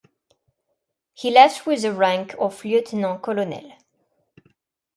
He left with the rank of Lieutenant-Colonel.